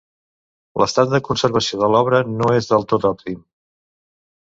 L'estat de conservació de l'obra no és del tot òptim.